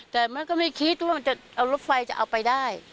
แต่มันก็ไม่คิดว่ามันจะเอารถไฟจะเอาไปได้